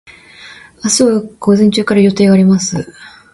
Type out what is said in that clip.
明日は午前中から予定があります。